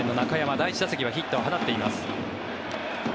第１打席はヒットを放っています。